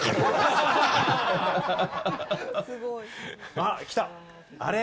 あっ！来た！